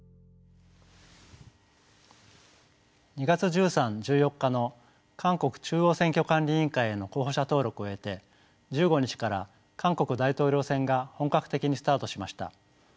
２月１３１４日の韓国中央選挙管理委員会への候補者登録を経て１５日から韓国大統領選が本格的にスタートしました。